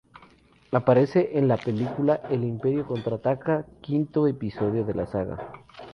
Aparece en la película "El Imperio contraataca", quinto episodio de la saga.